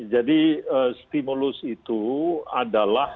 jadi stimulus itu adalah